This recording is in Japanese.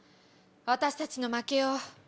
私たちの負けよ。